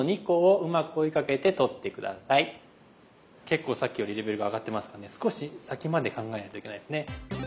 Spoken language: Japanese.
結構さっきよりレベルが上がってますからね少し先まで考えないといけないですね。